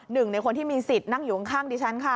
หนึ่งในคนที่มีสิทธิ์นั่งอยู่ข้างดิฉันค่ะ